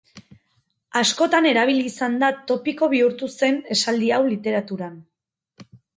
Askotan erabili izan da topiko bihurtu zen esaldi hau literaturan.